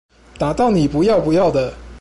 打到你不要不要的